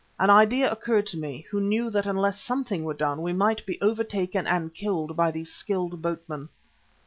An idea occurred to me, who knew that unless something were done we must be overtaken and killed by these skilled boatmen.